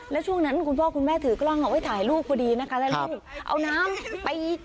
แล้วช่วงนั้นคุณพ่อคุณแม่ถือกล้องเอาไว้ถ่ายรูปพอดีนะคะแล้วลูกเอาน้ำไป